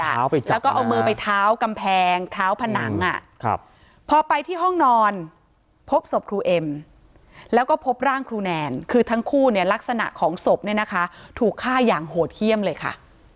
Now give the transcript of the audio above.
แล้วก็เอามือไปเท้ากำแพงเท้าผนังพอไปที่ห้องนอนพบศพครูเอ็มแล้วก็พบร่างครูแนนคือทั้งคู่เนี่ยลักษณะของศพเนี่ยนะคะถูกฆ่าอย่างโหดเยี่ยมเลยค่ะ